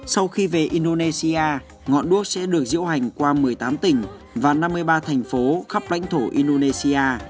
sau khi về indonesia ngọn đuốc sẽ được diễu hành qua một mươi tám tỉnh và năm mươi ba thành phố khắp lãnh thổ indonesia